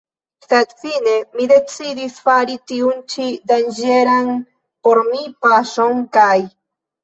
Sed fine mi decidis fari tiun ĉi danĝeran por mi paŝon kaj.